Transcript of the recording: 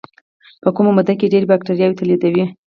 په کمه موده کې ډېرې باکتریاوې تولیدوي.